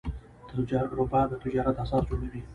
تجربه د تجارت اساس جوړوي.